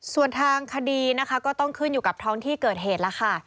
ส่วนทางคดีนะคะก็ต้องขึ้นอยู่กับท้องที่เกิดเหตุแล้วค่ะ